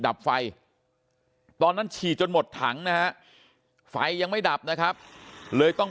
ดับไฟตอนนั้นฉีดจนหมดถังนะฮะไฟยังไม่ดับนะครับเลยต้อง